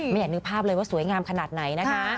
อยากนึกภาพเลยว่าสวยงามขนาดไหนนะคะ